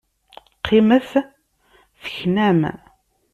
Qqimet teknam!